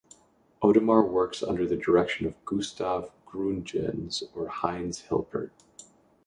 Odemar works under the direction of Gustav Gründgens or Heinz Hilpert.